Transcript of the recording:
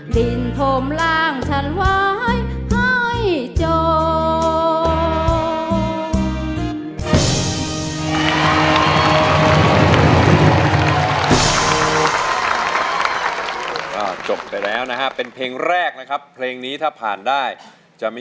ดินถมร่างฉันไว้ให้จบ